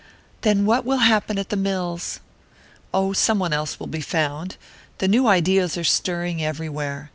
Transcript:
"Then what will happen at the mills?" "Oh, some one else will be found the new ideas are stirring everywhere.